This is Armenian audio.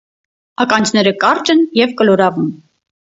Ականջները կարճ են եւ կլորաւուն։